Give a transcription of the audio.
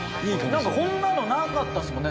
なんかこんなのなかったですもんね